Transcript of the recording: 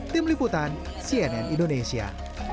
tim liputan cnn indonesia